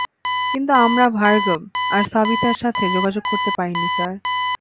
কিন্তু আমরা ভার্গব আর সাবিতার সাথে যোগাযোগ করতে পারিনি, স্যার।